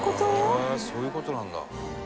「へえそういう事なんだ」